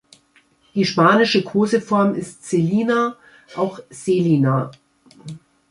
Die spanische Koseform ist Celina, auch Selina.